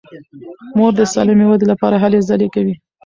مور د سالمې ودې لپاره هلې ځلې کوي.